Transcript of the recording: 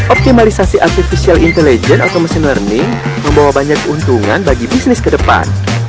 optimalisasi artificial intelligence atau mesin learning membawa banyak keuntungan bagi bisnis ke depan